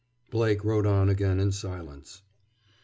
Blake rode on again in silence.